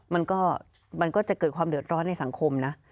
มันก็จะเกิดความเดือดร้อนในสังคมนะ